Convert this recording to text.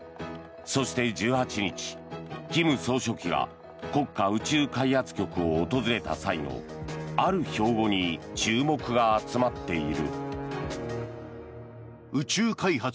そして１８日、金総書記が国家宇宙開発局を訪れた際のある標語に注目が集まっている。